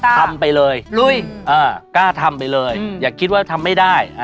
ทำไปเลยกล้าทำไปเลยอย่าคิดว่าทำไม่ได้